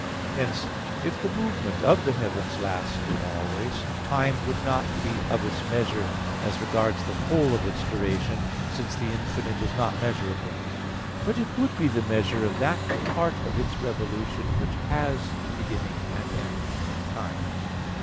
Hence, if the movement of the heavens lasted always, time would not be of its measure as regards the whole of its duration, since the infinite is not measurable; but it would be the measure of that part of its revolution which has beginning and end in time.